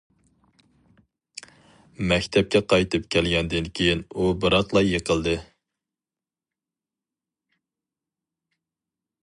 مەكتەپكە قايتىپ كەلگەندىن كېيىن ئۇ بىراقلا يىقىلدى.